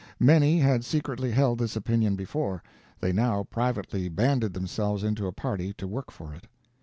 Many had secretly held this opinion before; they now privately banded themselves into a party to work for it.